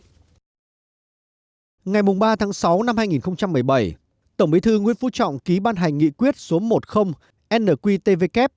ngày ba tháng sáu năm hai nghìn một mươi bảy tổng bí thư nguyễn phú trọng ký ban hành nghị quyết số một mươi nqtvk